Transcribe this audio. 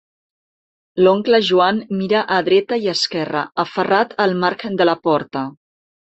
L'oncle Joan mira a dreta i esquerra, aferrat al marc de la porta.